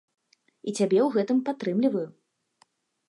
І цябе ў гэтым падтрымліваю.